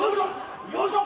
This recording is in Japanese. よいしょ！